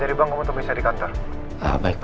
jadi pengawasan kita udah halus tiga tahun